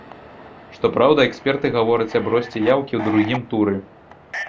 Што праўда, эксперты гавораць аб росце яўкі ў другім туры.